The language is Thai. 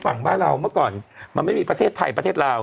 ฝั่งบ้านเราเมื่อก่อนมันไม่มีประเทศไทยประเทศลาว